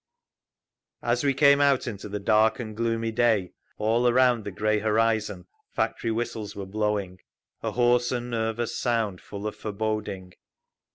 As we came out into the dark and gloomy day all around the grey horizon factory whistles were blowing, a hoarse and nervous sound, full of foreboding.